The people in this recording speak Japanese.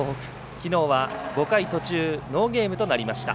きのうは５回途中ノーゲームとなりました。